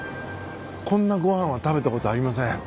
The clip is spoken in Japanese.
こんなご飯は食べたことありません。